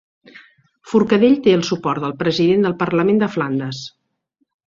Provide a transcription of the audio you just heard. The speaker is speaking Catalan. Forcadell té el suport del president del parlament de Flandes